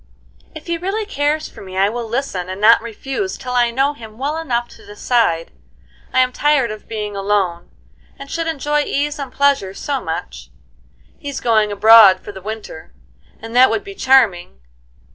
"If he really cares for me I will listen, and not refuse till I know him well enough to decide. I'm tired of being alone, and should enjoy ease and pleasure so much. He's going abroad for the winter, and that would be charming.